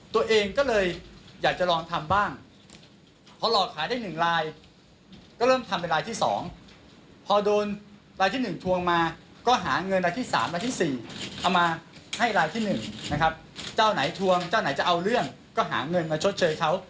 ตรวงเจ้าไหนจะเอาเรื่องก็หาเงินมาชดเชยเขา